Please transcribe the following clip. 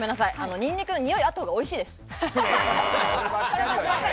ニンニクのにおい、あったほうがおいしいです。